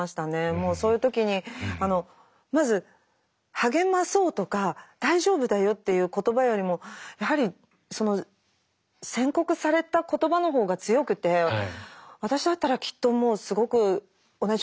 もうそういう時にまず励まそうとか大丈夫だよっていう言葉よりもやはりその宣告された言葉のほうが強くて私だったらきっともうすごく同じように悩んで。